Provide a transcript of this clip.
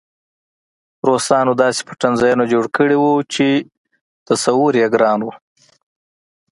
روسانو داسې پټنځایونه جوړ کړي وو چې تصور یې ګران و